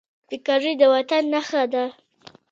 پکورې د وطن نښه ده